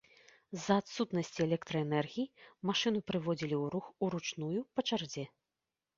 З-за адсутнасці электраэнергіі машыну прыводзілі ў рух уручную па чарзе.